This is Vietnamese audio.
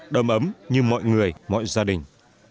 đâm ấm như mọi người mọi gia đình